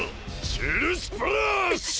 シェルスプラッシュ！